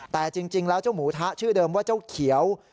แต่จริงแล้วเจ้าหมูทะชื่อเดิมว่าเจ้าเขียว